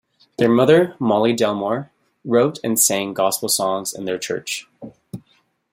Their mother, Mollie Delmore, wrote and sang gospel songs for their church.